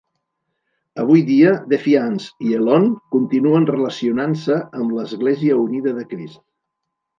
Avui dia, Defiance i Elon continuen relacionant-se amb l'Església unida de Crist.